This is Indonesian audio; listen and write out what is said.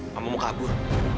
mama mau kabur